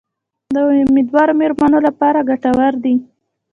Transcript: د امیندواره میرمنو لپاره ګټور دي.